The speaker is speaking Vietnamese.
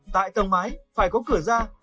tại tầm mái phải có cửa ra